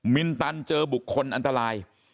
มินตันเจอบุคคลอันตราย